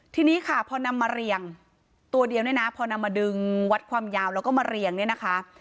ทีนี้ค่ะพอนำมาเรียงตัวเดียวเนี่ยนะพอนำมาดึงวัดความยาวแล้วก็มาเรียงเนี่ยนะคะ